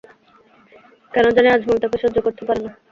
কেন জানি আজমল তাকে সহ্য করতে পারে না।